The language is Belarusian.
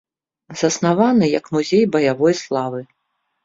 Заснаваны як музей баявой славы.